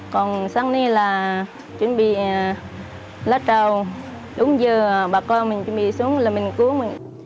còn sáng nay là chuẩn bị lá trầu uống dừa bà con mình chuẩn bị xuống là mình cúi mình